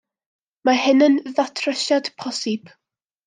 Mae hynna'n ddatrysiad posib.